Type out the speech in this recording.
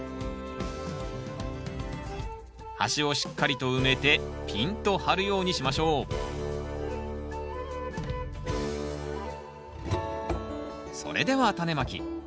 端をしっかりと埋めてピンと張るようにしましょうそれではタネまき。